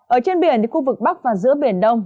ở trên biển khu vực bắc và giữa biển đông